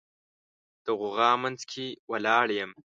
د غوغا منځ کې ولاړ یم